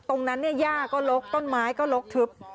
ตรงนั้นเนี่ยย่าก็ลกต้นไม้ก็ลกทึบ